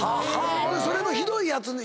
それのひどいやつ？